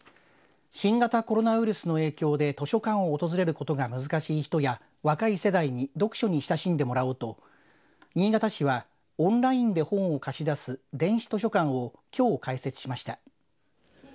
新型コロナウイルスの影響で図書館を訪れることが難しい人や若い世代に読書に親しんでもらおうと新潟市はオンラインで本を貸し出す電子図書館をきょう開設しました。